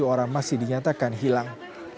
tiga puluh tujuh orang masih dinyatakan hilang